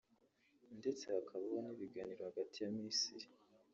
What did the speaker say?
ndetse hakabaho n’ibiganiro hagati ya Misiri